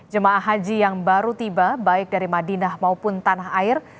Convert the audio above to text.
jemaah haji yang baru tiba baik dari madinah maupun tanah air